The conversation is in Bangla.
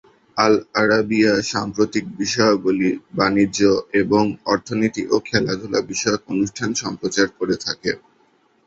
আল আরাবিয়া সাম্প্রতিক বিষয়াবলি, বাণিজ্য এবং অর্থনীতি ও খেলাধূলা বিষয়ক অনুষ্ঠান সম্প্রচার করে থাকে।